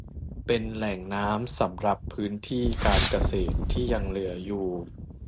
เป็นแหล่งน้ำสำหรับพื้นที่การเกษตรที่ยังเหลืออยู่